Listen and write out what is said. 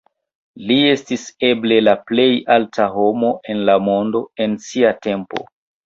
Li estis eble la plej alta homo en la mondo en sia tempo.